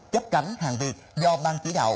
chấp cánh hàng việt do ban chỉ đạo